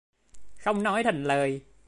Không nói thành lời